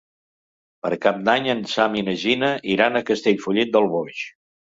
Per Cap d'Any en Sam i na Gina iran a Castellfollit del Boix.